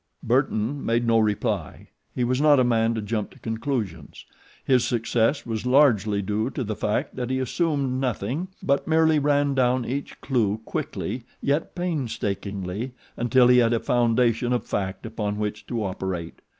Burton made no reply. He was not a man to jump to conclusions. His success was largely due to the fact that he assumed nothing; but merely ran down each clew quickly yet painstakingly until he had a foundation of fact upon which to operate.